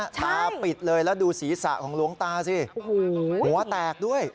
ตาปิดเลยแล้วดูศีรษะของหลวงตาสิหัวแตกด้วย